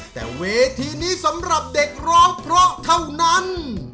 แต่เวทีนี้สำหรับเด็กร้องเพราะเท่านั้น